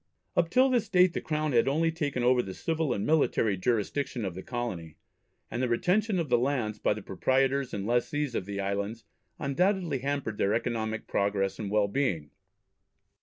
Up till this date the Crown had only taken over the civil and military jurisdiction of the colony, and the retention of the lands by the proprietors and lessees of the islands undoubtedly hampered their economic progress and well being.